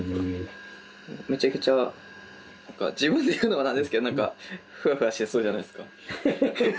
めちゃくちゃ自分で言うのも何ですけどなんかふわふわしてそうじゃないですか？